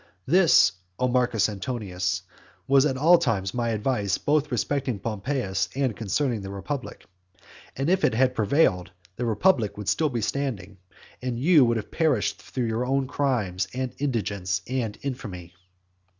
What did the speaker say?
This, O Marcus Antonius, was at all times my advice both respecting Pompeius and concerning the republic. And if it had prevailed, the republic would still be standing, and you would have perished through your own crimes, and indigence, and infamy.